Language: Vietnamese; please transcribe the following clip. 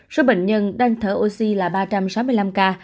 số bệnh nhân đang thở oxy là ba trăm sáu mươi năm ca